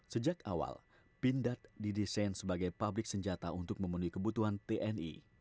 sejak awal pindad didesain sebagai publik senjata untuk memenuhi kebutuhan tni